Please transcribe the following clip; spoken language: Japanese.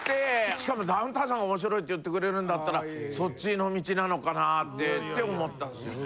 しかもダウンタウンさんが面白いって言ってくれるんだったらそっちの道なのかなって思ったんですよね。